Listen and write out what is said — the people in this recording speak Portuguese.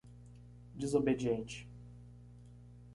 Desobediente